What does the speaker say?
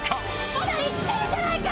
まだ生きてるじゃないか！